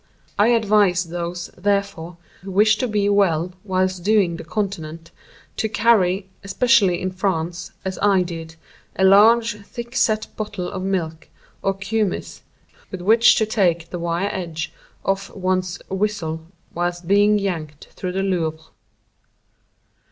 I advise those, therefore, who wish to be well whilst doing the Continent, to carry, especially in France, as I did, a large, thick set bottle of milk, or kumiss, with which to take the wire edge off one's whistle whilst being yanked through the Louvre.